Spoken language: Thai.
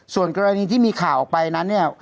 ส่วนกรณีที่มีข่าวออกไปนั้นเนี่ย